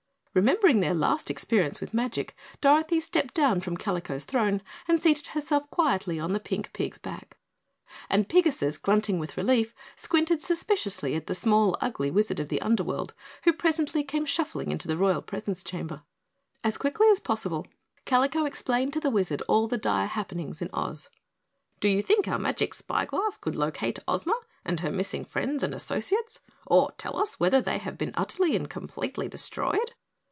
Remembering their last experience with magic, Dorothy stepped down from Kalico's throne and seated herself quietly on the pink pig's back, and Pigasus, grunting with relief, squinted suspiciously at the small, ugly Wizard of the Underworld, who presently came shuffling into the royal presence chamber. As quickly as possible Kalico explained to the Wizard all the dire happenings in Oz. "Do you think our magic spyglass could locate Ozma and her missing friends and associates or tell us whether they have been utterly and completely destroyed?"